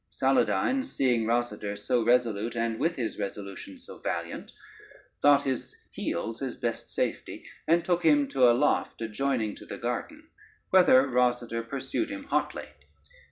Saladyne, seeing Rosader so resolute and with his resolution so valiant, thought his heels his best safety, and took him to a loft adjoining to the garden, whither Rosader pursued him hotly.